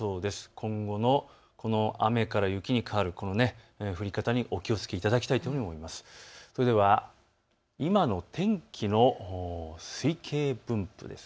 今後のこの雨から雪に変わる、この降り方にお気をつけいただきたいと思います。